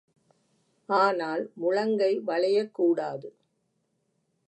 ஆனால் முழங்கை வளையக் கூடாது.